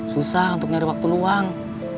susah untuk nyari waktu luang